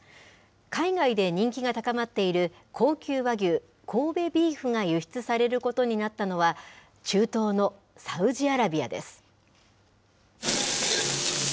海外で人気が高まっている高級和牛、神戸ビーフが輸出されることになったのは、中東のサウジアラビアです。